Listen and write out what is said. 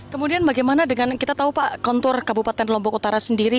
kemudian bagaimana dengan kita tahu pak kontur kabupaten lombok utara sendiri